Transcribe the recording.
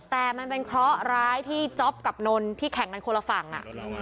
แต่มันเป็นเคราะห์ร้ายที่จ๊อปกับนนที่แข่งกันคนละฝั่งอ่ะ